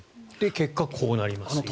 結果、こうなりますと。